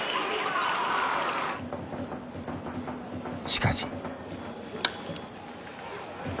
しかし。